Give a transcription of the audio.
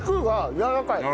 やわらかい。